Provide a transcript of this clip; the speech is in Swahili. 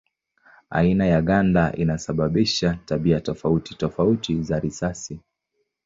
Aina ya ganda inasababisha tabia tofauti tofauti za risasi.